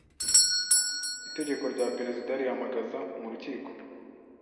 Itegeko rya Perezida rihamagaza mu rukiko